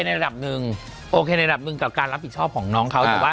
ในระดับหนึ่งโอเคในระดับหนึ่งกับการรับผิดชอบของน้องเขาแต่ว่า